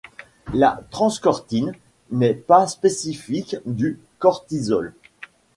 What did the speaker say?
La transcortine n'est pas spécifique du cortisol.